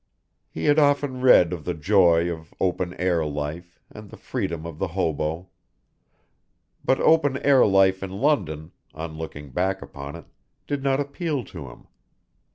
He had often read of the joy of open air life, and the freedom of the hobo; but open air life in London, on looking back upon it, did not appeal to him.